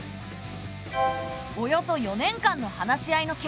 およそ４年間の話し合いの結果